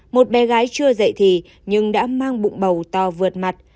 một bé gái chưa dạy thì nhưng đã mang bụng bầu to vượt mặt